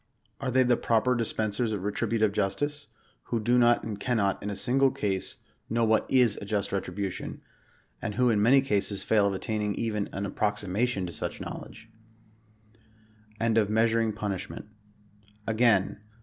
Are they the proper dispensers of retributive justice, who do not and cannot, in a single case, know what is a just retribution ; and who in many cases fail of attaining even an approximation to such knowledge ? AND OF MEASURING PUNISHMENT. Again.